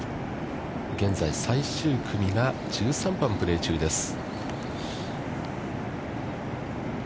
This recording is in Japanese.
現在最終組が１３番をプレー中です。